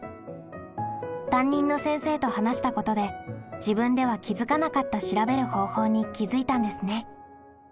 担任の先生と話したことで自分では気づかなかった調べる方法に気づいたんですね。